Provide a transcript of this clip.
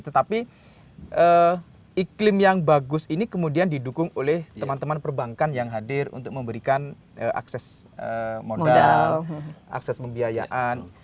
tetapi iklim yang bagus ini kemudian didukung oleh teman teman perbankan yang hadir untuk memberikan akses modal akses pembiayaan